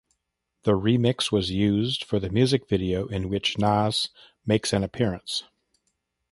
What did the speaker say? The remix was used for the music video in which Nas makes an appearance.